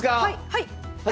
はい！